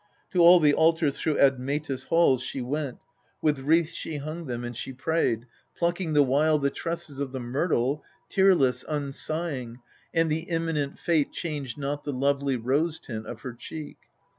To all the altars through Admetus' halls She went, with wreaths she hung them, and she prayed, Plucking the while the tresses of the myrtle, Tearless, unsighing, and the imminent fate Changed not the lovely rose tint of her cheek.